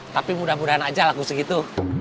tapi mudah mudahan aja lagu segitu